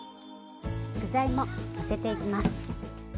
具材ものせていきます。